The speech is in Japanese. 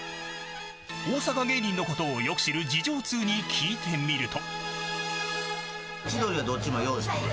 大阪芸人のことをよく知る事情通に聞いてみると。